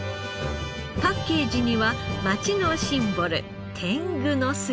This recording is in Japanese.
パッケージには町のシンボル天狗の姿が。